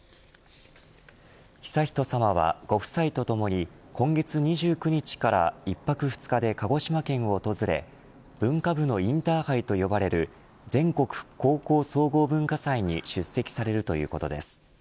悠仁さまはご夫妻とともに今月２９日から１泊２日で鹿児島県を訪れ文化部のインターハイと呼ばれる全国高校総合文化祭に出席されるということです。